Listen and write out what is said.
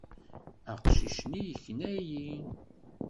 Aqcic-nni yekna-iyi.